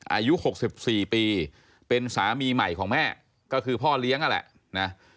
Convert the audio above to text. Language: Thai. อายุหกสิบสี่ปีเป็นสามีใหม่ของแม่ก็คือพ่อเลี้ยงอะแหละนะ